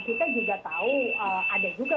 kita juga tahu ada juga